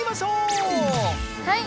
はい！